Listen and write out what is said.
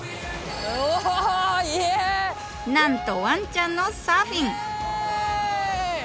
なんとわんちゃんのサーフィン！